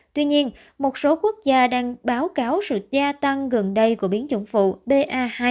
tuy nhiên một số quốc gia đang báo cáo sự gia tăng gần đây của biến chủng phụ ba hai